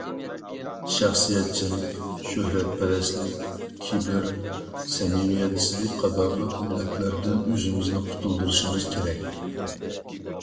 شەخسىيەتچىلىك، شۆھرەتپەرەسلىك، كىبىر، سەمىمىيەتسىزلىك قاتارلىق ئىللەتلەردىن ئۆزىمىزنى قۇتۇلدۇرۇشىمىز كېرەك.